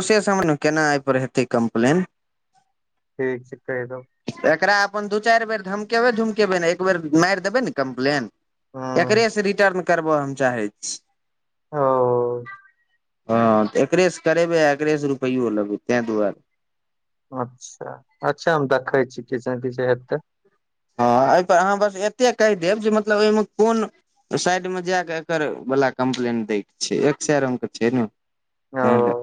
प समयमे केना आबि पर हेतै कम्प्लेन ठीक छै कहहि दऽ एकरा अपन दू चारि बेर धमकेबै धमकेबै नै एक बेर मारि देबै नै कम्प्लेन ह एकरेसँ रिटन करबय हम चाहै छी ओ। हँ एकरेस करेबै एकरेस रुपै लेबै तेहि दुआरे अच्छा अच्छा हम देखै छी कि से कि से हत। ह एहिपर अहाँ बस एतेक कहि देब जे मतलब ओहिमे कोन साइड मे जा क एकर वला कम्प्लेंट दै के छै एक रंग के छै ने ओ त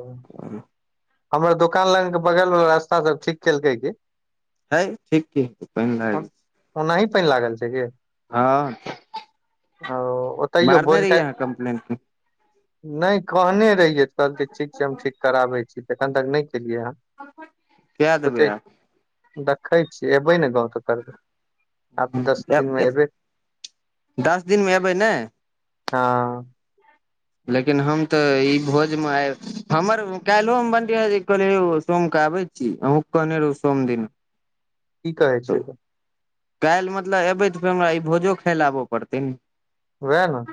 हमर दोकान लग के बगल वला रास्ता सभ ठीक केलकै कि है ठीक कऽ प ओनाही पानि लागल छै कऽ हँ ओ ओतहिओ मारने बोझ रहियै कऽ अहाँ कम्प्लेन नहि कहने रहियै तऽ कहलकै ठीक छै हम ठीक कराबै छी तऽ एखन तक नहि केलियै ह कऽ तऽ भैया देखै छियै एयबै ने गाव तऽ कर आ दस दिनमे हबे दस दिन मे एबै ने ह लेकिन हम तऽ ई भोजमे आय हमर काल्हिहो हम बंटिया जी कहले सोम कऽ आबै जी अहू कहने रहौ सोम दिन कि कहै तऽ छै। काल्हि मतलब अबै तऽ फेर हमरा ई भोजो खाय लए आबऽ पड़तै न वएह न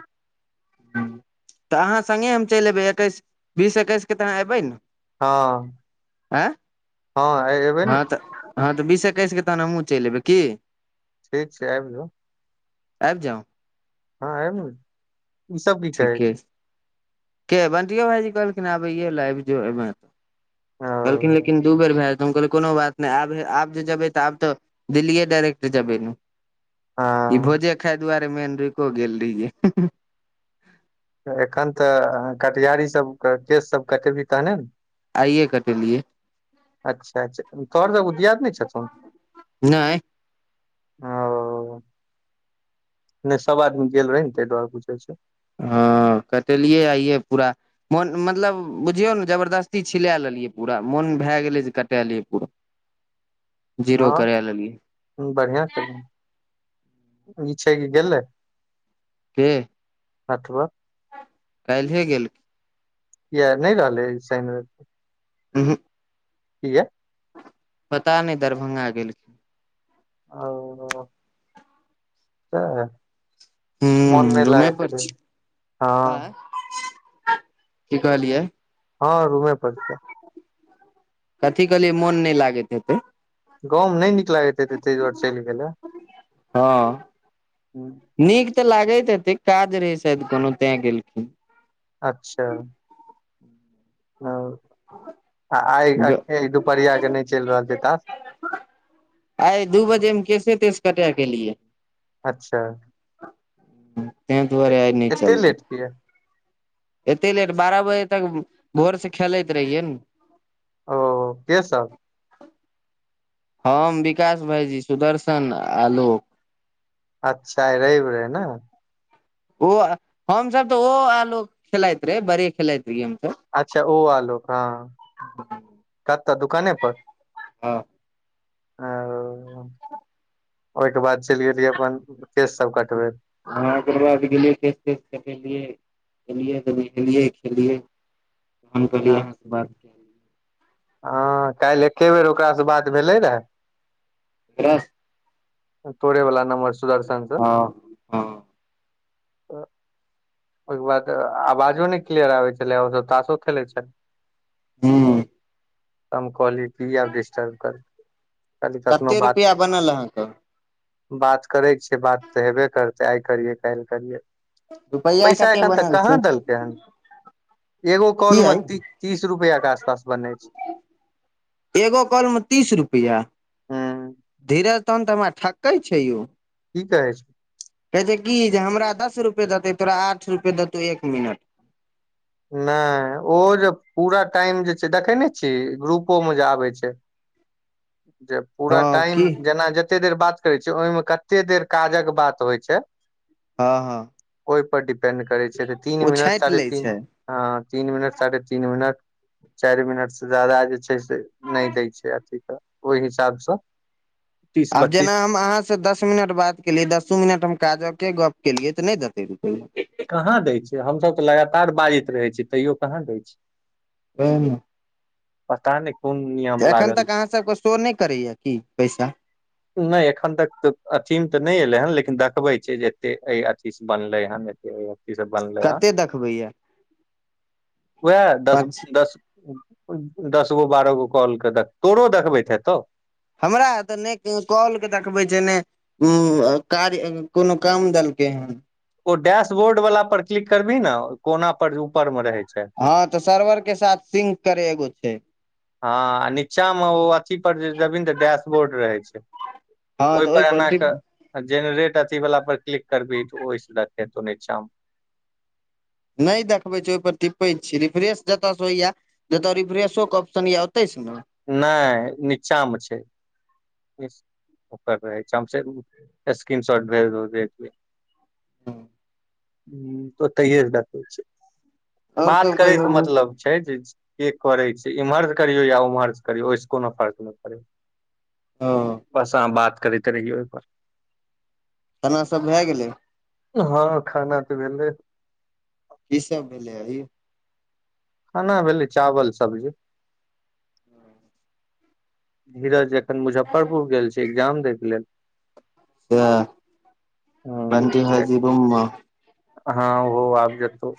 ह तऽ अहाँ संगे हम चलि एबै एकैस बीस एकैस के तऽहाँ एबै ने ह आ ने हँ तऽ हँ तऽ बीस एकैस के तहन हमूँ चलि एयबै की ठीक छै आबि जा आबि जाऊ हँ आयब ने ई सभ भी कहै छै के बंटियो भाईजी कहलखिन आबै ले आबि जो ए तऽ कहलखिन ओ लेकिन दू बेर भए हम कहल कोनो बात नहि आब आब जेबै त आब तऽ दिल्लिए डायइरेक्ट जबै ने ई हँ भोजे खाय दुआरे मेन रुकि गेल रहियै एखन तऽ कटयारी सभके केश सभ कटेबही तहने ने आइए कटेलियए। अच्छा अच्छा तोहर सभ उदियाद नहि छन नहि ओ नहि सभ आदमी गेल रहै ने ताहि दुआरे बुझे छै ह कटेलियै आइये पूरा मोन मतलब बुझियौ न जबरदस्ती छिलाए लेलियै पूरा मोन भए गेलै जे कटाए लेलियै पूरा [inaudible] जीरो हँ करै लगी बढ़िआँ केलौं ई छै कि गेलै पे अथवा काल्हे गेलखी किया नै रहलै सैन रैब क उ हुँक किया पता नैय दरभंगा गेलखिन ओ सएह मौन नैय हूँ रूमे लागैत पर हेतैन छी आँय की कहलियै हँ रूमे पड़ छै कथी कहलियै मोन नैय लागैत हेतै गाँव मे नैय नीक लागैत हेतैय तैय द्वारे चैल गेलए हँ नीक तऽ लागैत हेतै काज रहे शायद कोनो तैय गेलखिन अच्छा ओ आ आय ऐय दुपहरिया के नैय चैल रहल छै त आय दू बजे मे केसे- तेस कटा क एलियै अच्छा तेंंऽ ए- दुआरे आय नैय एते चलयै लेट किया एते लेट बारह बजे तक भोर स खेलैत रहियै न ओ के सब हम विकाश भाईजी सुदर्शन आलोक अच्छा आय रैब रहैय ने ओ हम सब तऽ ओ आलोक खेलाइत रहै बड़े खेलाइत रहैय अच्छा ओ आलोक हँ कतऽ दुकाने प हँ आ ओ ओहिके बाद चैलिगेलियै अपन केस सब कटबै आहाँ जरिया स गेलियै केस - तेस कटेलियै गेलियै खेलियै हम कहलियै अहाँ से बात [unintelligible] हँ कैल्ह एके बेर ओकरा स बात भेलै रहै केकरा से तोरे वला नमबर सुदर्शन स हँ हँ ओ -ओयके बाद आवाजो नैय क्लियर आबै छलेएऽ ओ सब तासो खेलैय छलेएऽ हूँ हम कहलियै कि आब डिस्टर्ब करबै कते कखनो रुपैआ बात बनल अहाँ क बात करै छियै बातऽ हेबे करतै आइ करियै कैइल करियै रुपैआ पैसा कते एखन तक बनल से कहाँ देल केहन एगो की काॅल अइ मे तीस रुपया के आसपास बनै छै एगो काॅल मे तीस रुपैया ह धीरज तनहन तऽ हमरा ठकै छै यौ कि कहै छै कहै छै कि जे हमरा दस रुपये देतै तोरा आठ रुपये देतौ एक मिनट नै ओहो जे पूरा टाइम जे छै देखैने छीहीन ग्रुपो मे जे आबै छैय जे पूरा हँ टाइम की जेना ज कते देर बात करै छियै ओहिमे कते देर काज कऽ बात होय छैय हँ हँ औय पर डपेंड करै छै। तीन ओ मिनट छाँटि साढ़े लै तीन छै हँ तीन मिनट साढ़े तीन मिनट चैर मिनट से ज्यादा जे छै। नैय दै छै। अथि त ओय हिसाब स आब जेना हम अहाँ स दस मिनट बात केलियै दसो मिनट हम काजक के गप केलियै तऽ नै देते रुपया कहाँ दै छैय हम सभ तऽ लगातार बाजैत रहे छियै तैयो कहाँ दै छैय हूँ पता नहि पू एखन तक अहाँ सभ के शो नहि करैएा की पैसा नहि एखन तक त अथी मे ते नहि एले हन लेकिन देखबे छै। जे एते ए अथी से बनले न ची सभ बनले ह कते देखबैया ओएह दस पाँच द दस गो बारह गो कल के तोरो देखबैत हेतौ हमरा तऽ नहि कलके देखबै छै। नहि उ कार्य कोनो काम देलकै हेन ओ डैशबोर्ड वालला पर क्लिक करबही ने कोना पर ऊपर में रहे छै। हँ तऽ सर्वर के साथ सिंक करे एगो छै। हँ आ नीचा मे ओ अथी पर जे जबी तऽ डैशबोर्ड रहे छै। हँ तऽ ओहिपर एना जेनरेट अथी वाल पर क्लिक करबही त ओहिस देखे तो न छाम नहि देखबै छै। ओहिपर टपैत छी रिफ्रेश जतऽ से होइया नहि तऽ रिफ्रेशोकक ऑप्शन य आतै छै। ने नहि नीचामे छै। ओकर रहै छै। हमस स्क्रीन शॉट ह तऽ ओतहि बतबै छै। आओर बात सब करै से कहियौ मतलब छै। जे के करै छै। इम्हर करियौ या उमहर करियऔ ओहिस कोनो फर्क नहि पड़े हँ बस अहाँ बात करैते रहिय ओहिप केना सभ भए गेलै हँ खाना तऽ भेलै क सभ मिले हभ खाना भेली चावल सब्जी हँ धीरज एखन मुजफ्फरपुर गेल छै। एग्जाम दै के लेल से ह बनटी ह जीम हँ ओ आ जेतौ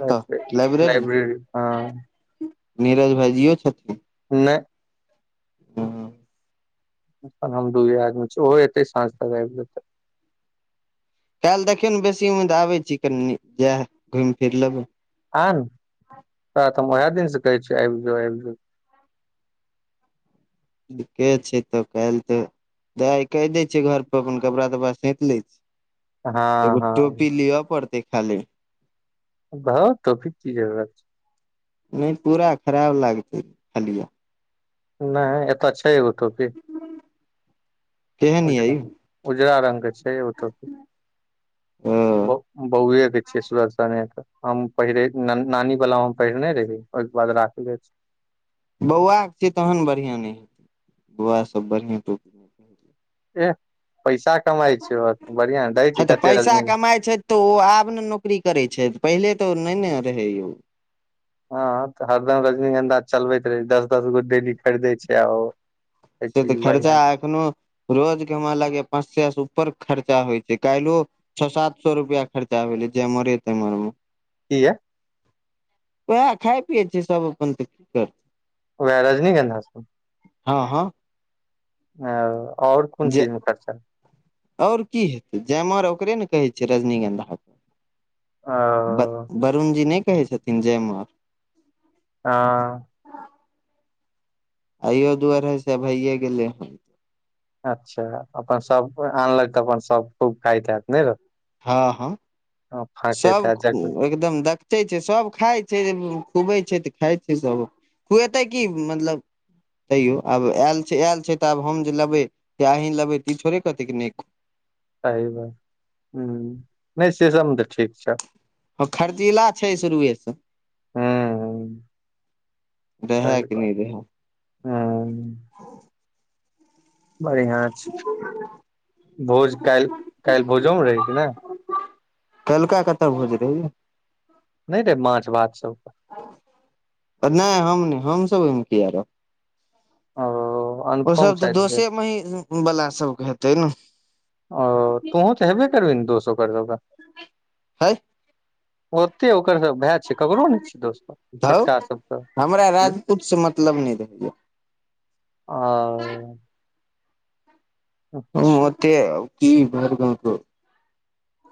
लाइब्रेरी हँ नीरज भाई जी छथिन। नहि हँ हम दूए आदमी छी ओहो एतै साँझ तक आबि जेतै काल्हि देखियौ ने बेसी उममे तऽ आबै छी कनि जैह घुमि फिर लेबै आने तोरातऽ हम वएह दिन से कहै छियौ आबि जो आबि जो ठीके छै तऽ काल्हि तऽ दे कहि दै छियै घर पर अपन कपड़ा तपड़ा सैंत लै छै हँ एगो हँ टोपी लिअ पड़तै खाली धौ टोपि क की जरूरत छै। नय पूरा खराब लागतै खलिया नय एतऽ छै एगो टोपी केहन यै उजरा उजरा रंग के छै एगो टोपी ओ ब बौए के छियै सने के हम पहिरे नानी वाला हम पहिरने रहि ओहिके बाद राखले छै बौआके छै तहन बढ़ियाँ नय हेतै बौआ सभ बढ़ियाँ [inaudible] एह पैसा कमाइ छियै बढ़ियाँ नय दै हँ छी तऽ कते पैसा रजनी कमाइ छै तऽ ओ आब ने नौकरी करै छै पहिले तऽ नय ने रहै यौ हँ तऽ हरदम रजनीगंधा चलबैत रहै छै दस दस गो डेली खरीदै छै आ ओ से तऽ चीज खर्चा बढ़िया एखनो रोज के हमरा लागैये पाँच सै से ऊपर खर्चा होइ छै काल्हियो छौ सात सौ रुपया खर्चा भेलै जेमरे तेमर मे कीये ओएह खाय पियै छियै सब अपन तऽ की करतै वैहे रजनीगंधा सब हँ हँ आओर कोन चीज जे मे खर्चा आओर की हेतै जयमर ओकरे ने कहै छैै रजनीगंधा के ब ओ वरुण जी नय कहै छथिन जयमर हँ आइयो दू अढ़ाइ से भइए गेलै हन अच्छा अपन सब आनलक तऽ अपन सब खूब खाइत हैत नय रौ। हँ हँ फाँकैत हैत सब एकदम देख बेचै छै सभ खाइ छै खुबै छै तऽ खाइ छै सभ खुएतै की मतलब तैयो आब आयल छै आयल छै तऽ आब हम जे लेबै से अहीं लेबै तऽ ई थोड़े कहतै की नय सही बात हुँ नय से सबमे तऽ ठीक छै। हँ खर्चीला छै शुरुए से रहै सहि कि बात नहि रहै हुँ बढ़ियाँ छै भोज काल्हि काल्हि भोजो मे रही की नय कैलका कतऽ भोज रहै यौ नय रहै माछ भात सब नय हम नय हमसभ ओहिमे किये रहब ओ अनुपम ओसभ तऽ शायद भेल दोसे मही बला सबके हेतै न। ओ तूहों तऽ हेबे करबीहि ने दोस ओकर सबके हय ओते ओकर सब भए छै ककरो नय छिही दोस्त धौ छोटका सबके हमरा हँ राजपूत से मतलब नहि रहैया आओ हुँ ओते कि भरि गाँव के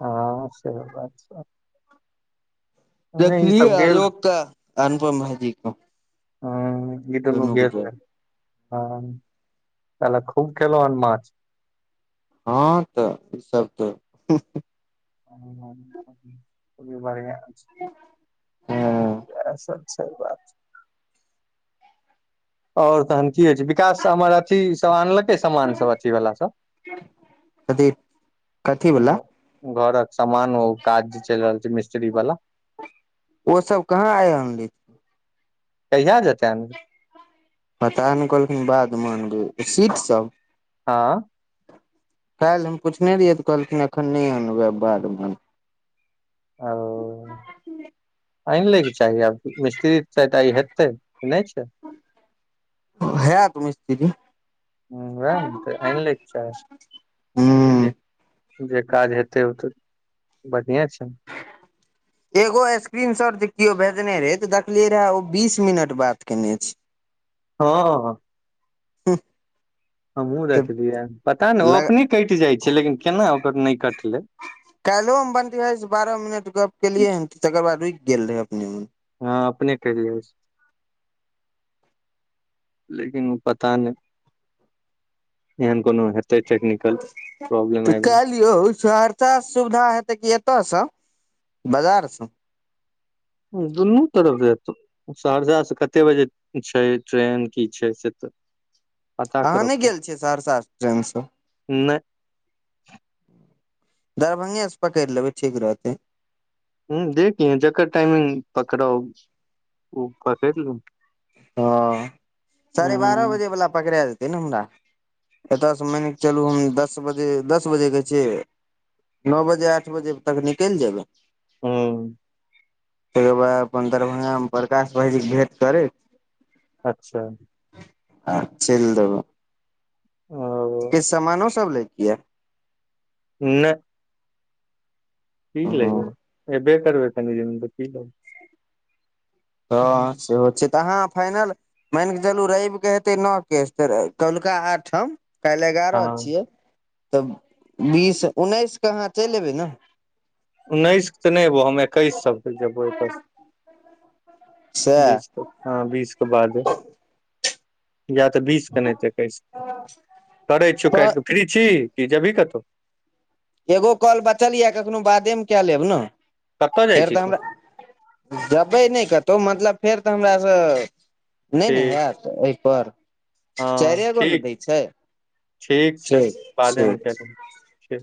हँ सेहो बात छै नहि ई देखलियै सब गेल आलोकके अनुपम भाइजी क हुँ ई दुनू के गेल रहे जायत हँ साला खूब खेलो हन माछ हँ तऽ ई सब तऽ बढ़िया छै सही बात आओर तहन की होइ छै विकास हमर अथी सब आनलकै सब कथी कथी वला घरक समान ओ काज जे चलि रहल छै मिस्त्री वाला ओ सब कहाँ आय अनली कहिया जेतनि पता नहि कहलखिन बादमे अनबै सीट सब हँ काल्हि हम पुछने रिहियै तऽ कहलखिन एखन नहि अनबै बादमे ओ आनि लैके चाही आब मिस्त्री तऽ आय हेतै ई नहि छै हयत मिस्त्री ह वए ने तऽ अआनिलोके छै हूँ जे काज हेतै ओ तऽ बढ़ियाछै एगो स्क्रीन शॉट जे केओ भेजने रहे तऽ दखलियै रहे ओ बीस मिनट बात केने छै हँ हँ हँ हँ हमहुँ देखलियै पता ने ओ अपने कटि जाइ छै लेकिन केना ओकर नहि कटलै काल्हिो मे बन बारह मिनट गप्प केलियै हन तकर बाद रुकि गेल रहै अपने मोन हँ अपने कटि जाय छै लेकिन ओ पता नहि एहन कोनो हेत हेतय टैक्निकल प्रॉब्लम तऽ आइ काल्हि यौ सहरसा सुविधा हेतै क एतयसँ बाजारसँ दुनू तरफ से हेतौ सहरसासँ कतेक बजे छै ट्रेन की छै से तऽ पता अहाँ करऽ नहि पड़ गेल छियै सहरसाँ ट्रेनसँ। नहि दरभंगे से पकैड़ लेबै ठीक रहतै हम्म देख लेहीं जकर टाइमिंग पकड़ाउ उ पकैड़ ले। हँ साढ़े बारह ह बजे वला पकड़ाय जेतै ने हमरा। एतऽसँ मानि कऽ चलू हम दस बजे दस बजेके छै। नौ बजे आठ बजे तक निकैल जेबै। हम्म तकर बाद अपन दरभंगामे प्रकाश भाइजीकेँ भेँट करैत अच्छा आ चैल देबै किछु ओ सामानो सब लैके यऽ। नै की हँ लेबय एबे करबै कनी दिनमे त की लेबै हँ सेहो छै तऽ अहाँ फाइनल मानिके चलू रविके हेतै नह केस त कौलका आठम काल्हि एगारह हँ छियै तऽ बीस उन्नैसके अहाँ चलि अयबै ने। उन्नैस के तऽ नहि अयबौ हम एकैस सभ के जेबो एतयसँ। सएह बीस हँ बीसके बादे या तऽ बीसके नहितै एकैस करै छौ काटि कऽ तऽ फ्री छी कि जेबही कतहु। एगो कॉल बचल यऽ कखनो बादेमे कए लेब ने कतय जाइ फेर छी तऽ तू हमरा जबै नहि कतहु मतलब फेर तऽ हमरा सँ नहि ने ठीक हैत एहि पर हँ चारिए गो ने ठीक दै छै। छै ठीक छै। बादेमे कए लेब ठीक